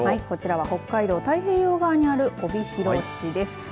こちらは北海道太平洋側にある帯広市です。